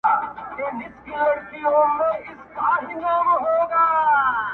• د نجلۍ چيغې فضا ډکوي او د کور هر غړی اغېزمنوي..